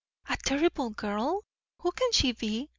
"A terrible girl? Who can she be?"